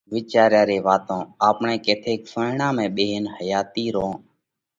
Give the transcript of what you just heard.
وِيچاريا ري واتون آپڻئہ ڪٿيڪ سونئيڙا ۾ ٻيهينَ حياتِي رون